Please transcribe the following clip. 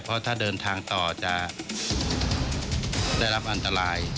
เพราะถ้าเดินทางต่อจะได้รับอันตราย